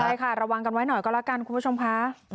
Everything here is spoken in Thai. ใช่ค่ะระวังกันไว้หน่อยก็แล้วกันคุณผู้ชมค่ะ